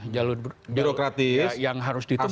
jalur yang harus ditempuh